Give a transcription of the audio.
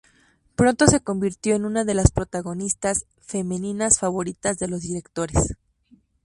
Pronto se convirtió en una de las protagonistas femeninas favoritas de los directores.